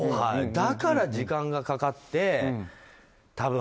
だから、時間がかかってね。